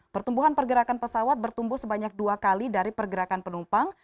pertumbuhan pergerakan pesawat bertumbuh sebanyak dua kali dari pergerakan penumpang